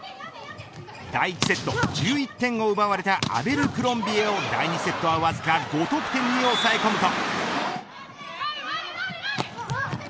第１セット１１点を奪われたアベルクロンビエを第２セットはわずか５得点に抑え込むと。